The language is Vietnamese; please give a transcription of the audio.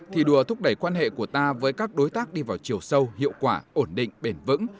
thì đùa thúc đẩy quan hệ của ta với các đối tác đi vào chiều sâu hiệu quả ổn định bền vững